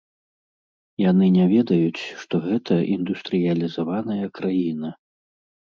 Яны не ведаюць, што гэта індустрыялізаваная краіна.